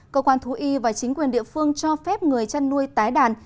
cơ quan thú y và chính quyền địa phương cho phép người chăn nuôi tái đàn